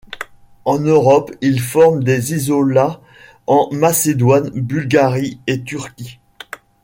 En Europe il forme des isolats en Macédoine, Bulgarie et Turquie.